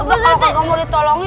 udah kok kamu ditolongin